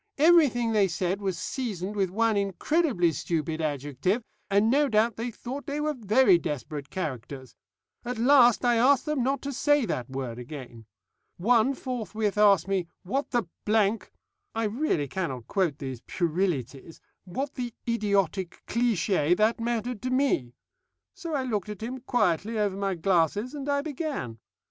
Everything they said was seasoned with one incredibly stupid adjective, and no doubt they thought they were very desperate characters. At last I asked them not to say that word again. One forthwith asked me 'What the ' I really cannot quote these puerilities 'what the idiotic cliché that mattered to me?' So I looked at him quietly over my glasses, and I began.